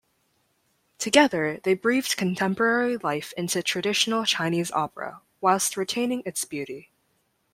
Together, they breathed contemporary life into traditional Chinese opera whilst retaining its beauty.